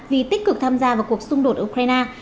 vì tích cực tham gia vào cuộc xung đột ở ukraine